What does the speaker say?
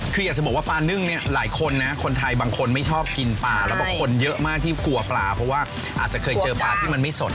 คืออยากจะบอกว่าปลานึ่งเนี่ยหลายคนนะคนไทยบางคนไม่ชอบกินปลาแล้วบอกคนเยอะมากที่กลัวปลาเพราะว่าอาจจะเคยเจอปลาที่มันไม่สน